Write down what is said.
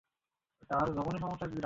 এক মৃত মানুষ কিভাবে আত্মহত্যা করতে পারে?